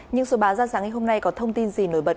nhưng số báo ra sáng ngày hôm nay có thông tin gì nổi bật